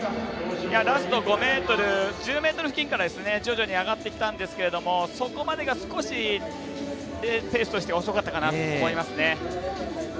ラスト５ｍ１０ｍ付近から徐々に上がってきたんですけどそこまでが少しペースとしては遅かったかなと思いますね。